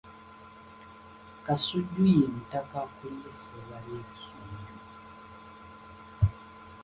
Kasujju ye mutaka akulira essaza ly'e Busujju.